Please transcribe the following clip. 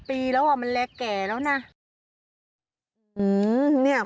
๒๓ปีแล้วว่ามันแหล่แก่แล้วนะ